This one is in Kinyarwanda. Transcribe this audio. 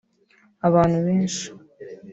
abantu benshi